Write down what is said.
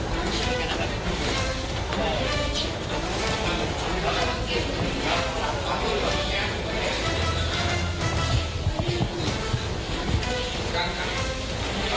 วันนี้เราจะมาแสดงมัด๔๕๐บาท